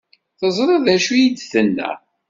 Teẓriḍ d acu i d-tenna?